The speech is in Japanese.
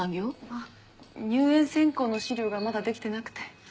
あっ入園選考の資料がまだできてなくて。